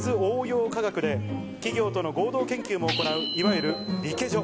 企業との合同研究も行ういわゆるリケジョ。